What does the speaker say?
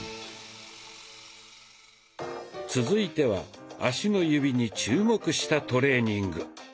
続いては足の指に注目したトレーニング。